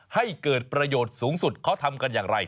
ให้เกิดประโยชน์สูงสุดเขาทำกันอย่างไร